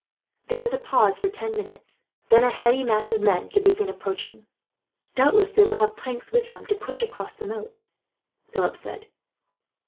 There was a pause for ten minutes, then a heavy mass of men could be seen approaching. "Doubtless they will have planks with them, to push across the moat," Philip said.